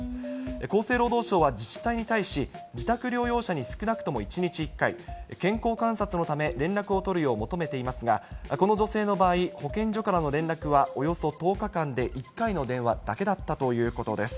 厚生労働省は自治体に対し、自宅療養者に少なくとも１日１回、健康観察のため連絡を取るよう求めていますが、この女性の場合、保健所からの連絡はおよそ１０日間で１回の電話だけだったということです。